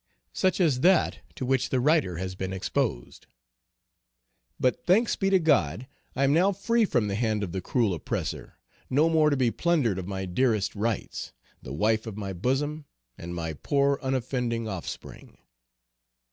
Such as that to which the writer has been exposed. But thanks be to God, I am now free from the hand of the cruel oppressor, no more to be plundered of my dearest rights; the wife of my bosom, and my poor unoffending offspring.